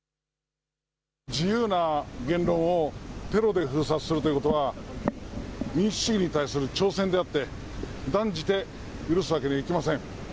自由な言論をテロで封殺するということは民主主義に対する挑戦であって断じて許すわけにはいきません。